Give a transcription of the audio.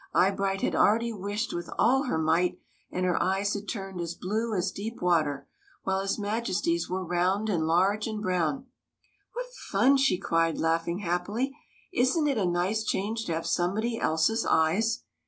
Eye bright had already wished with all her might, and her eyes had turned as blue as deep water while his Majesty's were round and large and brown. " What fun !" she cried, laughing happily. " Is n't it a nice change to have somebody else's eyes